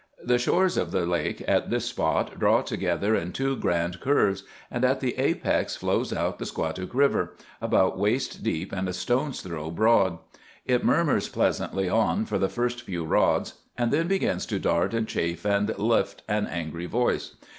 The shores of the lake at this spot draw together in two grand curves, and at the apex flows out the Squatook River, about waist deep and a stone's throw broad. It murmurs pleasantly on for the first few rods, and then begins to dart and chafe, and lift an angry voice.